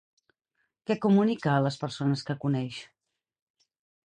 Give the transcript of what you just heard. Què comunica a les persones que coneix?